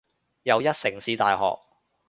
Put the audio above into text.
又一城市大學